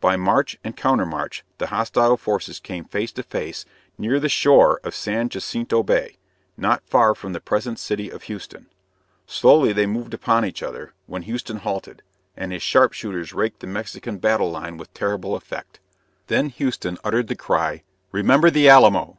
By march and countermarch the hostile forces came face to face near the shore of San Jacinto Bay, not far from the present city of Houston. Slowly they moved upon each other, when Houston halted, and his sharpshooters raked the Mexican battle line with terrible effect. Then Houston uttered the cry: "Remember the Alamo!"